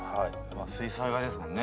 水彩画ですもんね。